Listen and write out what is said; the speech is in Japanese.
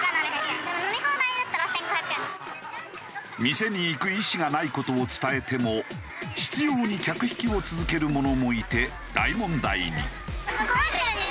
店に行く意思がない事を伝えても執拗に客引きを続ける者もいて大問題に。